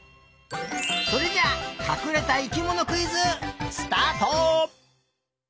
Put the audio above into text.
それじゃあかくれた生きものクイズスタート！